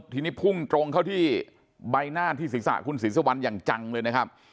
ทีนี้พุ่งตรงเข้าที่ใบหน้าที่ศีรษะคุณศรีสุวรรณอย่างจังเลยนะครับ